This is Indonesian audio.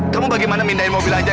kamu bagaimana mindai mobil aja